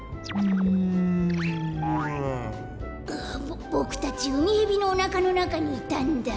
ボボクたちウミヘビのおなかのなかにいたんだ。